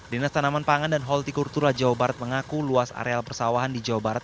dinas tanaman pangan dan holti kultura jawa barat mengaku luas areal persawahan di jawa barat